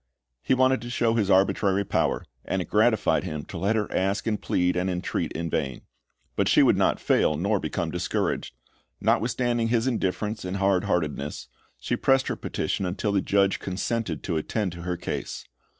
He wanted to show his arbitrary power, and it gratified him to let her ask and plead and entreat in vain. But she would not fail nor become discouraged. Notwithstanding his indifference and hard heartedness, she pressed her petition until the judge consented to attend to her case.